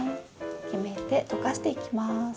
決めてとかしていきます。